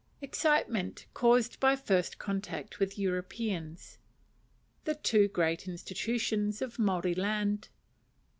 Excitement caused by first Contact with Europeans. The two great Institutions of Maori Land.